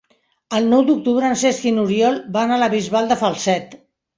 El nou d'octubre en Cesc i n'Oriol van a la Bisbal de Falset.